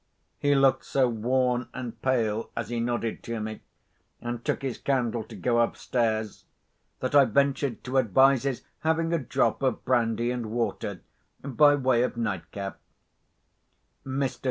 He looked so worn and pale as he nodded to me, and took his candle to go upstairs, that I ventured to advise his having a drop of brandy and water, by way of night cap. Mr.